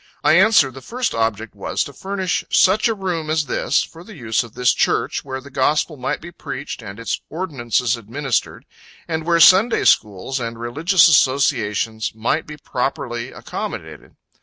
I answer, the first object was, to furnish such a room as this, for the use of this church, where the gospel might be preached and its ordinances administered, and where Sunday schools and religious associations might be properly accommodated.